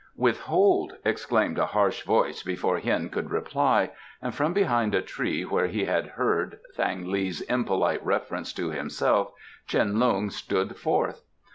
"Withhold!" exclaimed a harsh voice before Hien could reply, and from behind a tree where he had heard Thang li's impolite reference to himself Tsin Lung stood forth.